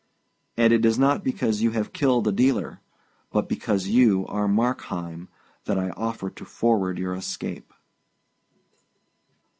And it is not because you have killed a dealer, but because you are Markheim, that I offer to forward your escape."